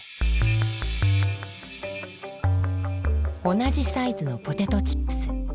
同じサイズのポテトチップス。